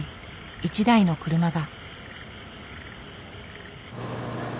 一台の車が。